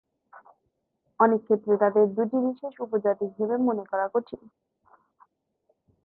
অনেকক্ষেত্রে তাঁদের দুটি বিশেষ উপজাতি হিসাবে মনে করা কঠিন।